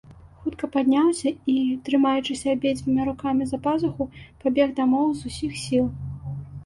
Хутка падняўся і, трымаючыся абедзвюма рукамі за пазуху, пабег дамоў з усіх сіл.